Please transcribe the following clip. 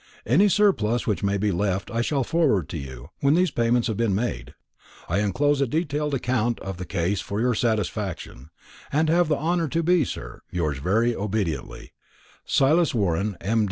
Any surplus which may be left I shall forward to you, when these payments have been made. I enclose a detailed account of the case for your satisfaction, and have the honour to be, sir, "Yours very obediently, "SILAS WARREN, M.